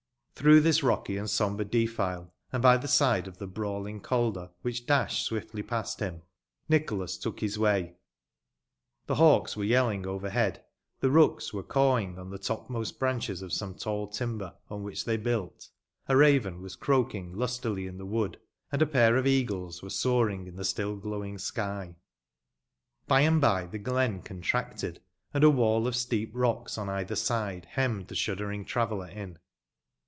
Through this rocky and sombre defile, and by the side of the brawling Calder, which dashed swiftly past him, Nicholas took his way. The hawks were yelling overhead; the rooks were cawing on the topmost branches of some tall timber, on which they built ; a raven was croaking lustily in the wood ; and a pair of eagles were soaring in the itill gfomiüg sky. 458 THE LANCASHIBE WITCHES. By and by tlie glen contracted, and a "wall of steep rocbs o^ either side nemmed tie shuddering traveller in.